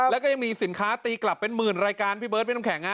แล้วก็ยังมีสินค้าตีกลับเป็นหมื่นรายการพี่เบิร์ดพี่น้ำแข็ง